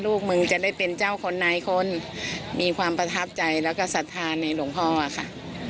ลูกมึงจะได้เป็นเจ้าคนในคนมีความประทับใจแล้วก็ศรัทธาในหลวงพ่อค่ะ